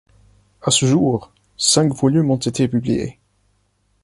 À ce jour, cinq volumes ont été publiés.